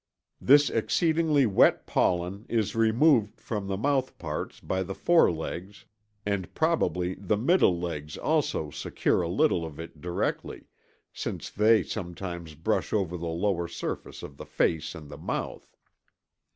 This exceedingly wet pollen is removed from the mouthparts by the forelegs (fig. 5), and probably the middle legs also secure a little of it directly, since they sometimes brush over the lower surface of the face and the mouth.